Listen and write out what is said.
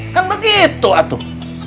kan begitu atuh